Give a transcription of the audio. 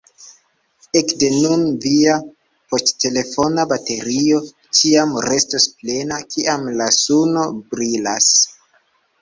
Ekde nun via poŝtelefona baterio ĉiam restos plena, kiam la suno brilas!